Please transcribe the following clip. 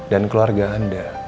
dan keluarga anda